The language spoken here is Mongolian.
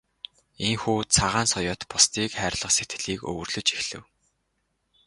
Ийнхүү Цагаан соёот бусдыг хайрлах сэтгэлийг өвөрлөж эхлэв.